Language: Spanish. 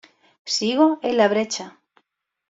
Sigo en la brecha".